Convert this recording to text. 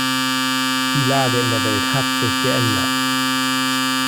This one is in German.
Die Lage in der Welt hat sich geändert.